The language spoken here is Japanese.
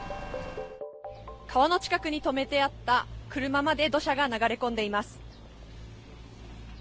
川の近くに止めてあった車まで土砂が流れ込んでいます。